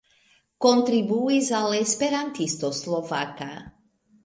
Kontribuis al Esperantisto Slovaka.